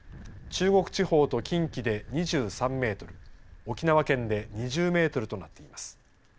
中国地方と近畿で２３メートル沖縄県で２０メートルとなっています。